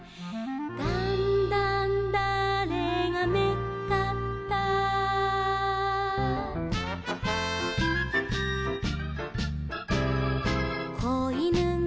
「だんだんだあれがめっかった」「子いぬがね